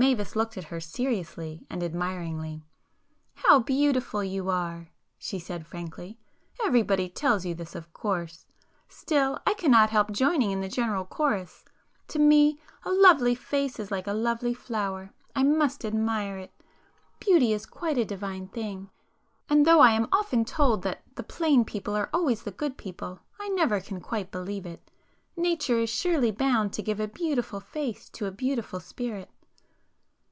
Mavis looked at her seriously and admiringly. "How beautiful you are!" she said frankly—"Everybody tells you this of course,—still, I cannot help joining in the general chorus. To me, a lovely face is like a lovely flower,—I must admire it. Beauty is quite a divine thing, and though I am often told that the plain people are always the good people, I never can quite believe it. Nature is surely bound to give a beautiful face to a beautiful spirit."